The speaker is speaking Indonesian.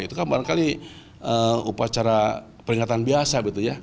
tapi upacara peringatan biasa